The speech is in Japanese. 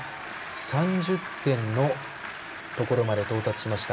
３０点のところまで到達しました。